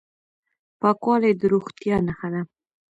پاکوالی د روغتیا نښه ده.